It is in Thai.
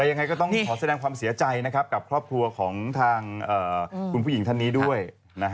ยังไงก็ต้องขอแสดงความเสียใจนะครับกับครอบครัวของทางคุณผู้หญิงท่านนี้ด้วย